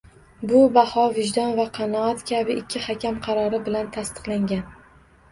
Bu baho vijdon va qanoat kabi ikki hakam qarori bilan tasdiqlangan.